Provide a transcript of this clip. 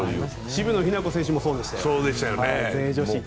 渋野日向子選手もそうでしたね。